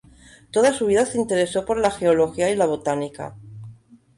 Toda su vida se interesó por la geología y la botánica.